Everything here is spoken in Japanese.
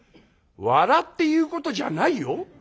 「笑って言うことじゃないよ。